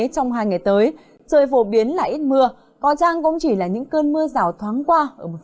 trong hai ngày tới trời phổ biến là ít mưa có chăng cũng chỉ là những cơn mưa rào thoáng qua